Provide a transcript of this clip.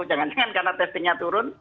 jangan jangan karena testingnya turun